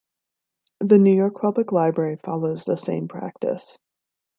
The New York Public Library follows the same practice.